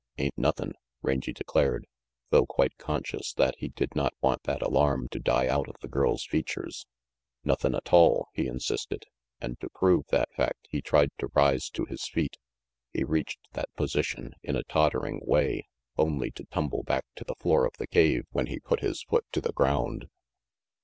Ain't nothin'," Rangy declared, though quite conscious that he did not want that alarm to die out of the girl's features. "Nothin' atoll," he insisted, and to prove that RANGY PETE 365 fact he tried to rise to his feet. He reached that position, in a tottering way, only to tumble back to the floor of the cave when he put his foot to the ground.